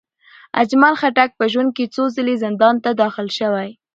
اجمل خټک په ژوند کې څو ځلې زندان ته داخل شوی.